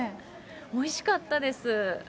おいしかったです。